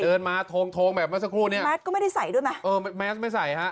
เดินมาโทงโทงแบบเมื่อสักครู่เนี้ยแมสก็ไม่ได้ใส่ด้วยไหมเออแมสไม่ใส่ฮะ